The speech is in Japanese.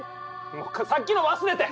さっきの忘れて！